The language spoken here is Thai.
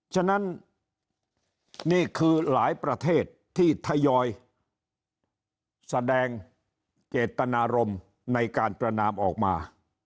ฉะนั้นนี่คือหลายประเทศที่ทยอยแสดงเจตนารมณ์ในการประนามออกมา